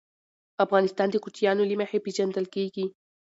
افغانستان د کوچیانو له مخې پېژندل کېږي.